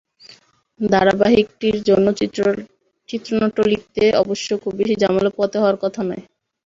ধারাবাহিকটির জন্য চিত্রনাট্য লিখতে অবশ্য খুব বেশি ঝামেলা পোহাতে হওয়ার কথা নয়।